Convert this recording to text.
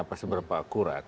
pasti berapa akurat